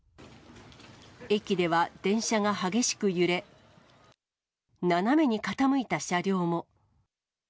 駅では、電車が激しく揺れ、斜めに傾いた車両も。